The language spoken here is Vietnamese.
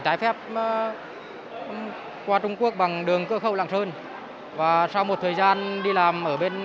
theo thẩm quyền